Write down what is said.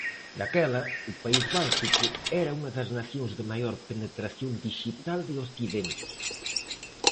Daquela, o país báltico era unha das nacións de maior penetración dixital de occidente.